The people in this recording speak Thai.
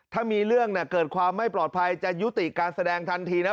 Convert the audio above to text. ถ้ามีเรื่องเกิดความไม่ปลอดภัยจะยุติการแสดงทันทีนะ